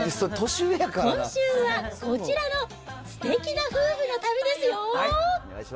今週はこちらのすてきな夫婦の旅ですよ。